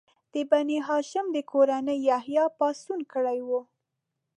د بني هاشم د کورنۍ یحیی پاڅون کړی و.